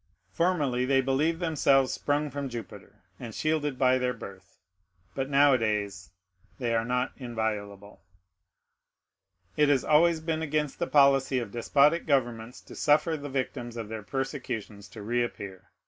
Formerly they believed themselves sprung from Jupiter, and shielded by their birth; but nowadays they are not inviolable. It has always been against the policy of despotic governments to suffer the victims of their persecutions to reappear.